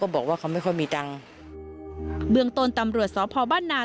เบื้องตอนตำรวจสพบ